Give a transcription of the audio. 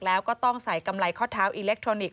แล้วก็ต้องใส่กำไรข้อเท้าอิเล็กทรอนิกส